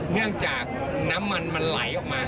เนื่องจากน้ำมันมันไหลออกมา